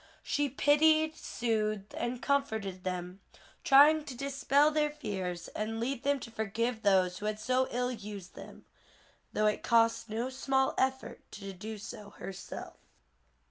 She pitied, soothed and comforted them, trying to dispel their fears and lead them to forgive those who had so ill used them, though it cost no small effort to do so herself.